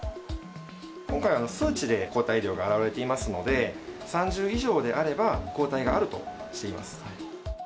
今回は数値で抗体量が表れていますので、３０以上であれば、抗体があるとしています。